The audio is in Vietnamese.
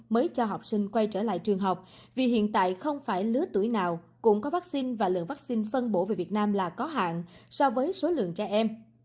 mới cho học sinh quay trở lại trường học vì hiện tại không phải lứa tuổi nào cũng có vaccine và lượng vaccine phân bổ về việt nam là có hạn so với số lượng trẻ em